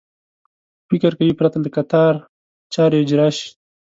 فکر کوي پرته له کتار چارې اجرا شي.